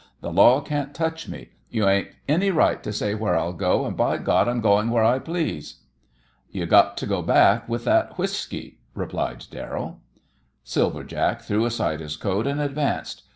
The law can't touch me. You ain't any right to say where I'll go, and, by God, I'm going where I please!" "You got to go back with that whiskey," replied Darrell. Silver Jack threw aside his coat, and advanced.